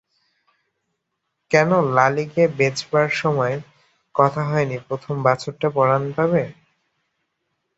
কেন লালীকে বেচবার সময় কথা হয়নি প্রথম বাছুরটা পরাণ পাবে?